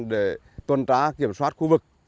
để tuân trá kiểm soát khu vực